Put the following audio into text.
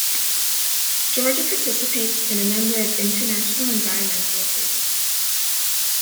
Georgia participates in a number of international environmental agreements.